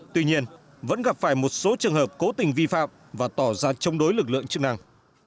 tuy nhiên vẫn gặp phải một số trường hợp cố tình vi phạm và tỏ ra chống đối lực lượng chức năng